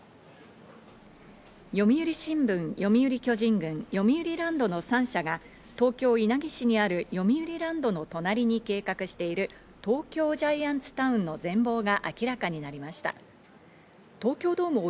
読売新聞、読売巨人軍、よみうりランドの３社が、東京・稲城市にあるよみうりランドの隣に計画しているＴＯＫＹＯＧＩＡＮＴＳＴＯＷＮの全貌が明らかになりました。